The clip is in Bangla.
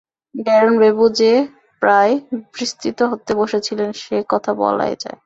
ড্যারেন ব্রাভো যে প্রায় বিস্মৃত হতে বসেছিলেন, সে কথা বলাই যায়।